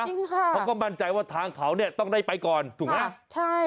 จริงค่ะเขาก็มั่นใจว่าทางเขาเนี่ยต้องได้ไปก่อนถูกไหมใช่